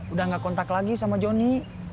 udah gak kontak lagi sama johnny